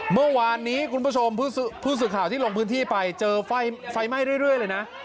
เมื่อวานนี้คุณผู้ชมผู้สื่อข่าวที่ลงพื้นที่ไปเจอไฟไหม้เรื่อยเลยนะ